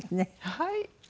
はい。